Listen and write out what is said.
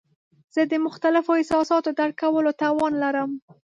زه د مختلفو احساساتو درک کولو توان لرم.